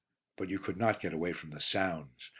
But you could not get away from the sounds.